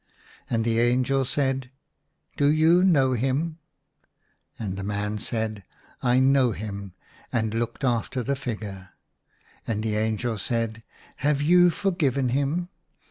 And the angel said, " Do you know him?" IN A RUINED CHAPEL, in And the man said, " I know him," and he looked after the figure. And the angel said, " Have you for given him